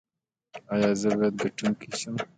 ایا زه باید ګټونکی شم؟